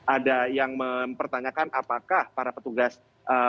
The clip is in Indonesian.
ada yang mempertanyakan apakah para petugas